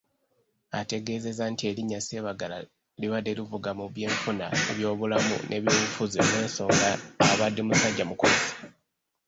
Ategeezezza nti erinnya Sebaggala libadde livuga mu byenfuna, ebyobulamu, n'eby'obufuzi olw'ensonga abadde musajja mukozi.